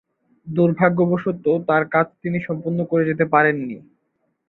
দুর্ভাগ্যবশত তার কাজ তিনি সম্পন্ন করে যেতে পারেন নি।